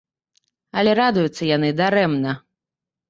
Але радуюцца яны дарэмна.